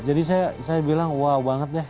jadi saya bilang wow banget deh